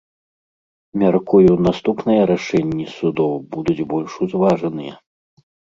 Мяркую, наступныя рашэнні судоў будуць больш узважаныя.